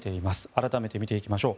改めて見ていきましょう。